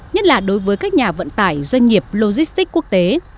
nhất là đối với các nhà vận tải doanh nghiệp logistics quốc tế